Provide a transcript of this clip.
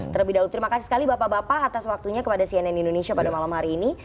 terlebih dahulu terima kasih sekali bapak bapak atas waktunya kepada cnn indonesia pada malam hari ini